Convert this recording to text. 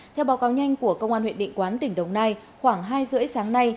theo báo cáo nhanh của công an huyện định quán tỉnh đồng nai khoảng hai rưỡi sáng nay